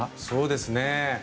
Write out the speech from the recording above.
そうですね。